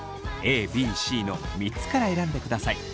ＡＢＣの３つから選んでください。